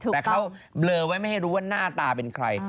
แต่เขาเบลอไว้ไม่ให้รู้ว่าหน้าตาเป็นใคร